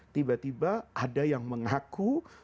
tiba tiba ada yang mengaku